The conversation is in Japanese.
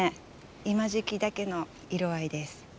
今時期だけの色合いです。